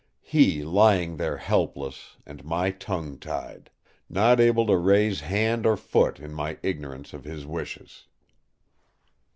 He lying there helpless, and my tongue tied! Not able to raise hand or foot in my ignorance of his wishes!"